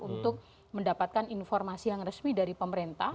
untuk mendapatkan informasi yang resmi dari pemerintah